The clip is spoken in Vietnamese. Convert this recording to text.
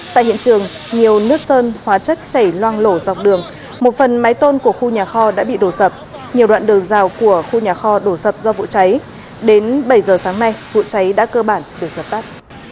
tại hiện trường nhiều nước sơn hóa chất chảy loang lộ dọc đường một phần mái tôn của khu nhà kho đã bị đổ sập nhiều đoạn đường rào của khu nhà kho đổ sập do vụ cháy đến bảy giờ sáng nay vụ cháy đã cơ bản được dập tắt